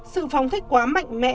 sự phóng thích quá mạnh mẽ